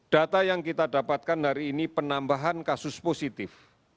data yang kita dapatkan hari ini penambahan kasus positif